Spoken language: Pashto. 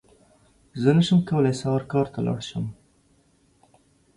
زه نشم کولی سهار کار ته لاړ شم!